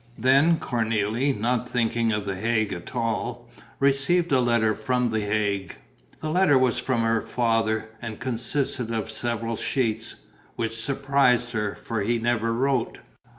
Then Cornélie, not thinking of the Hague at all, received a letter from the Hague. The letter was from her father and consisted of several sheets, which surprised her, for he never wrote.